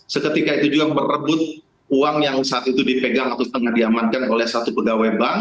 seketika itu juga merebut uang yang saat itu dipegang atau setengah diamankan oleh satu pegawai bank